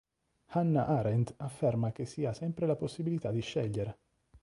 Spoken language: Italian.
Hannah Arendt afferma che si ha sempre la possibilità di scegliere.